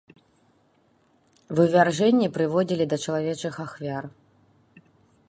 Вывяржэнні прыводзілі да чалавечых ахвяр.